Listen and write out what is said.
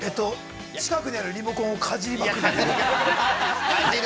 ◆近くにあるリモコンをかじりまくる。